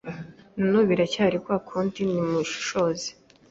Na nubu biracyari kwa kundi ni mushishoze